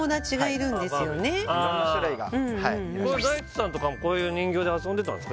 ・色んな種類がはい大地さんとかもこういう人形で遊んでたんですか？